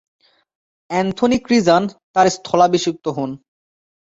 Anthony ক্রিজান তাঁর স্থলাভিষিক্ত হন।